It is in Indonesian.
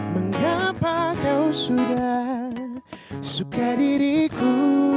mengapa kau sudah suka diriku